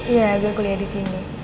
iya gue kuliah di sini